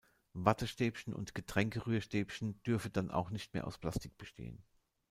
Wattestäbchen und Getränke-Rührstäbchen dürfe dann auch nicht mehr aus Plastik bestehen.